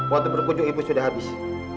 waktu berkunjung ibu sudah habis